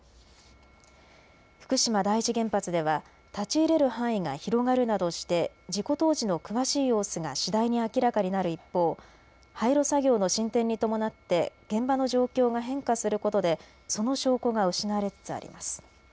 福島第一原発では立ち入れる範囲が広がるなどして事故当時の詳しい様子が次第に明らかになる一方、廃炉作業の進展に伴って現場の状況が変化することでその証拠が失われつつあります。